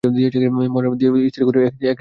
মাড় দিয়ে, ধুয়ে, ইস্তিরি করে একই দিনে দেয়া লাগবে।